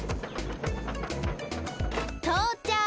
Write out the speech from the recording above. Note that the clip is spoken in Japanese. とうちゃく！